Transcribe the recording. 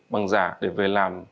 bằng giả để về làm